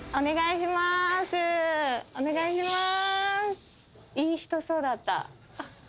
お願いします！